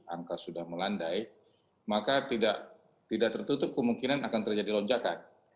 angka sudah melandai maka tidak tertutup kemungkinan akan terjadi lonjakan